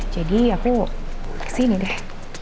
jadi aku kesini deh